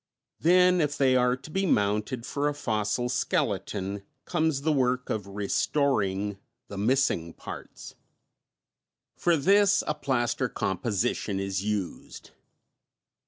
Then, if they are to be mounted for a fossil skeleton, comes the work of restoring the missing parts. For this a plaster composition is used.